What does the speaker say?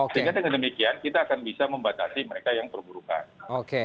sehingga dengan demikian kita akan bisa membatasi mereka yang perburukan